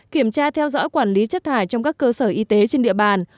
kiểm tra theo dõi quản lý chất thải trong các cơ sở y tế trên địa bàn